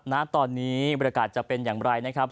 ณตอนนี้บริการจะเป็นอย่างไรนะครับ